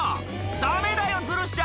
ダメだよズルしちゃ！